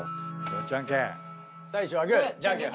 じゃんけん。